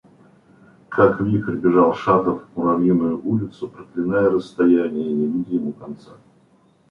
Как вихрь бежал Шатов в Муравьиную улицу, проклиная расстояние и не видя ему конца.